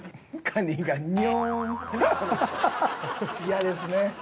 嫌ですね。